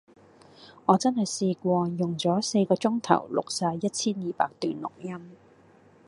我真係試過用左四個鐘頭錄曬一千二百段錄音